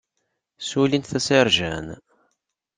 Ssulin-t d asarjan.